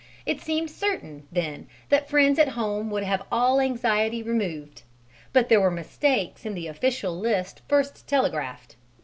It seemed certain, then, that friends at home would have all anxiety removed, but there were mistakes in the official list first telegraphed.